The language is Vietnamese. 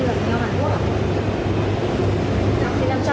cái này là giống nhẹt hả